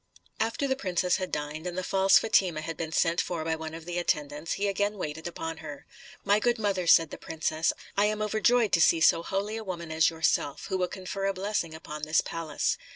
After the princess had dined, and the false Fatima had been sent for by one of the attendants, he again waited upon her. "My good mother," said the princess, "I am overjoyed to see so holy a woman as yourself, who will confer a blessing upon this palace.